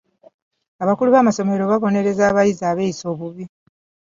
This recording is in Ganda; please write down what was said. Abakulu b'amasomero baabonereza abayizi abeeyisa obubi.